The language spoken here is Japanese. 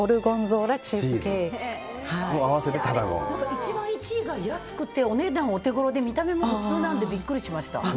一番１位が安くてお値段お手ごろで見た目も普通なのでビックリしました。